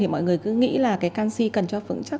mọi người cứ nghĩ là canxi cần cho phững chắc